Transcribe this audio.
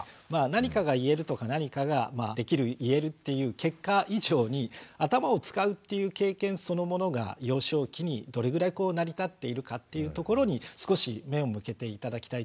何かが言えるとか何かができる言えるっていう結果以上に頭を使うっていう経験そのものが幼少期にどれぐらい成り立っているかっていうところに少し目を向けて頂きたいと思うんですね。